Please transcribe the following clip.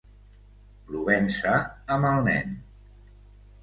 Provença amb el nen.